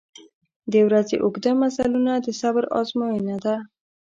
• د ورځې اوږده مزلونه د صبر آزموینه ده.